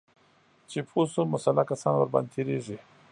چې پوه شو مسلح کسان ورباندې تیریږي